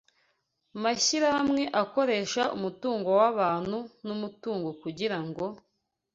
mashyirahamwe akoresha umutungo wabantu numutungo kugirango